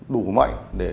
đủ mạnh để